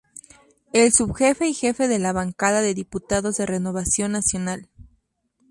Fue subjefe y jefe de la Bancada de Diputados de Renovación Nacional.